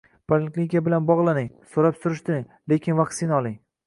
Poliklinika bilan bogʻlaning, soʻrang-surishtiring, lekin vaksina oling.